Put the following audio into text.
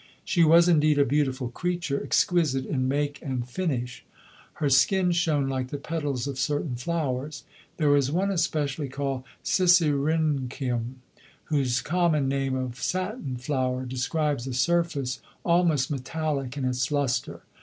She was indeed a beautiful creature, exquisite in make and finish. Her skin shone like the petals of certain flowers. There is one especially, called Sisyrinchium, whose common name of Satin flower describes a surface almost metallic in its lustre.